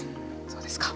そうですか。